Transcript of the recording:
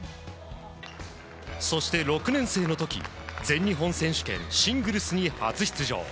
そして６年生の時全日本選手権シングルスに初出場。